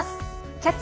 「キャッチ！